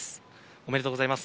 おめでとうございます。